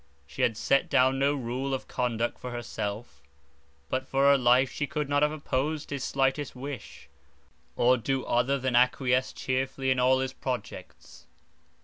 She had set down no rule of conduct for herself; but for her life she could not have opposed his slightest wish, or do other than acquiesce cheerfully in all his projects.